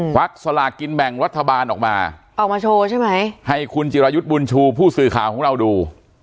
วักสลากินแบ่งรัฐบาลออกมาออกมาโชว์ใช่ไหมให้คุณจิรายุทธ์บุญชูผู้สื่อข่าวของเราดู